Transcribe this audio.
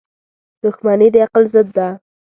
• دښمني د عقل ضد ده.